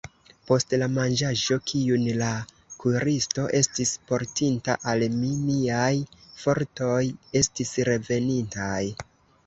Post la manĝaĵo, kiun la kuiristo estis portinta al mi, miaj fortoj estis revenintaj.